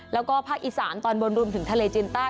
แล้วก็ภาคอีสานตอนบนรวมถึงทะเลจีนใต้